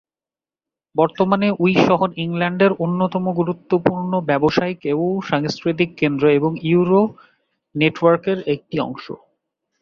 বর্তমানে উই শহর ইংল্যান্ডের অন্যতম গুরুত্বপূর্ণ ব্যবসায়িক ও সাংস্কৃতিক কেন্দ্র এবং ইউরো নেটওয়ার্কের একটি অংশ।